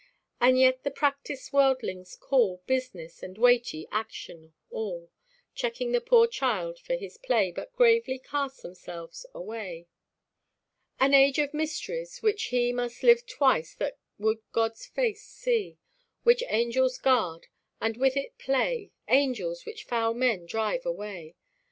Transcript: And yet the practice worldlings call Business and weighty action all, Checking the poor child for his play, But gravely cast themselves away. An age of mysteries! which he Must live twice that would God's face see; Which angels guard, and with it play, Angels! which foul men drive away.